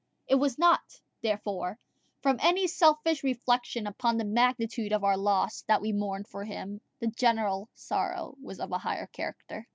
It was not, therefore, from any selfish reflection upon the magnitude of our loss that we mourned for him; the general sorrow was of a higher character.